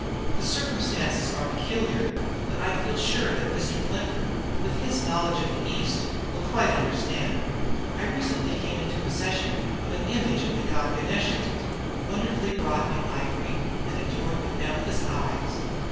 The circumstances are peculiar; but I feel sure that Mr. Flintford, with his knowledge of the East, will quite understand. I recently came into possession of an image of the god Ganesha, wonderfully wrought in ivory and adorned with amethyst eyes.